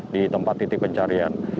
di tempat titik pencarian